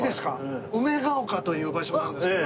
梅ヶ丘という場所なんですけど。